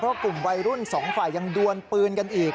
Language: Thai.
เพราะกลุ่มวัยรุ่นสองฝ่ายยังดวนปืนกันอีก